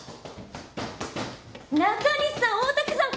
・中西さん大竹さん